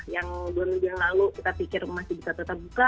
yang dua minggu yang lalu kita pikir masih bisa tetap buka